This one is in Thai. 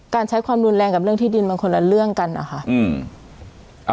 การใช้ความรุนแรงกับเรื่องที่ดินมันคนละเรื่องกันนะคะ